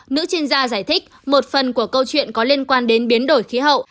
nữ chuyên gia giải thích một phần của câu chuyện có liên quan đến biến đổi khí hậu